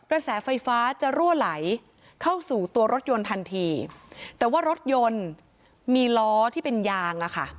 แสไฟฟ้าจะรั่วไหลเข้าสู่ตัวรถยนต์ทันทีแต่ว่ารถยนต์มีล้อที่เป็นยางอ่ะค่ะ